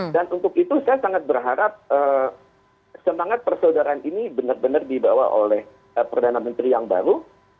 untuk itu saya sangat berharap semangat persaudaraan ini benar benar dibawa oleh perdana menteri yang baru